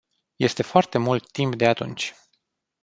Este foarte mult timp de atunci.